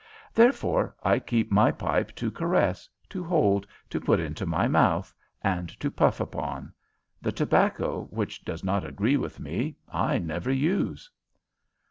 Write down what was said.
Therefore I keep my pipe to caress, to hold, to put into my mouth, and to puff upon. The tobacco, which does not agree with me, I never use."